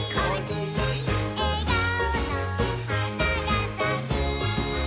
「えがおのはながさく」